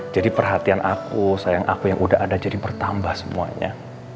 jadi perhatian aku sayang aku yang udah ada jadi bertambah semuanya